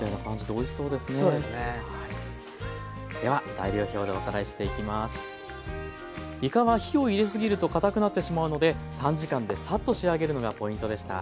いかは火をいれすぎるとかたくなってしまうので短時間でサッと仕上げるのがポイントでした。